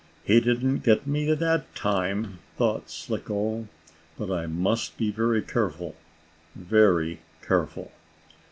"He didn't get me that time," thought Slicko. "But I must be very careful! Very careful!"